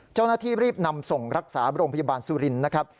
เจ้าหน้าที่รีบนำส่งรักษาโรงพยาบาลสุรินทร์นะครับ